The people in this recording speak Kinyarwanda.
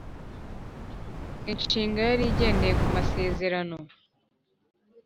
inshinga yari igendeye ku masezerano